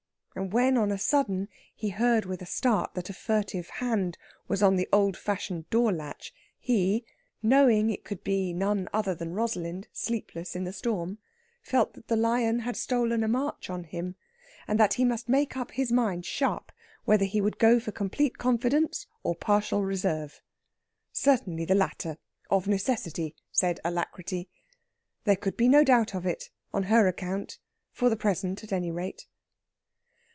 And when on a sudden he heard with a start that a furtive hand was on the old fashioned door latch, he, knowing it could be none other than Rosalind, sleepless in the storm, felt that the lion had stolen a march on him, and that he must make up his mind sharp whether he would go for complete confidence or partial reserve. Certainly the latter, of necessity, said Alacrity. There could be no doubt of it, on her account for the present, at any rate.